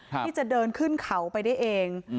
ที่จะเดินขึ้นเขาไปได้เอง